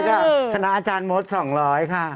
๒๐๐ค่ะคณะอาจารย์มด๒๐๐ค่ะ